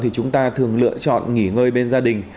thì chúng ta thường lựa chọn nghỉ ngơi bên gia đình